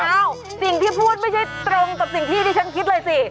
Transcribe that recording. อ้าวสิ่งที่พูดไม่ใช่ตรงกับสิ่งที่ที่ฉันคิดเลยสิ